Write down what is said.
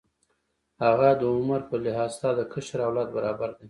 هغه د عمر په لحاظ ستا د کشر اولاد برابر دی.